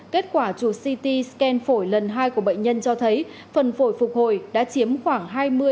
kết quả chuột ct scan phổi lần hai của bệnh nhân cho thấy phần phổi phục hồi đã chiếm khoảng hai mươi ba mươi